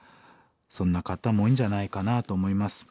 そんな方も多いんじゃないかなと思います。